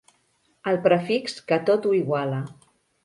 El prefix que tot ho iguala.